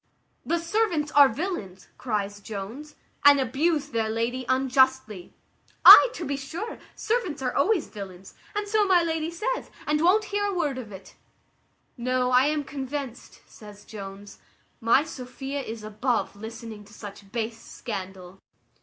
"The servants are villains," cries Jones, "and abuse their lady unjustly." "Ay, to be sure, servants are always villains, and so my lady says, and won't hear a word of it." "No, I am convinced," says Jones, "my Sophia is above listening to such base scandal."